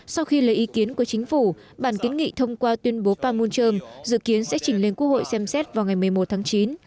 sau khi lấy ý kiến của chính phủ bản kiến nghị thông qua tuyên bố panmunjom dự kiến sẽ chỉnh lên quốc hội xem xét vào ngày một mươi một tháng chín